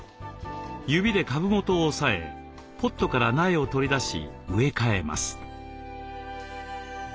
指で株元を押さえポットから苗を取り出し植え替えます。